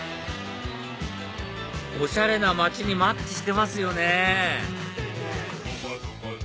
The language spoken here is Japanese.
おしゃれな街にマッチしてますよね